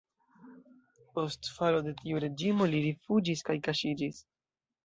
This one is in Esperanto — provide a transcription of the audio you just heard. Post falo de tiu reĝimo li rifuĝis kaj kaŝiĝis.